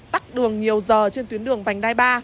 tắt đường nhiều giờ trên tuyến đường vành đai ba